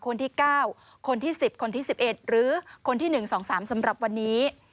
คนที่๙คนที่๑๐คนที่๑๑หรือคนที่๑๒๓สำหรับวันนี้